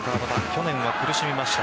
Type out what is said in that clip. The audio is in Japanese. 去年は苦しみました。